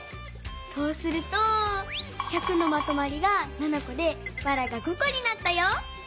そうすると「１００」のまとまりが７こでばらが５こになったよ！